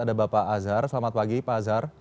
ada bapak azhar selamat pagi pak azhar